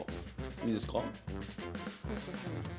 いいですか？